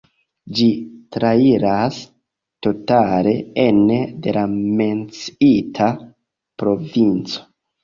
Ĝi trairas totale ene de la menciita provinco.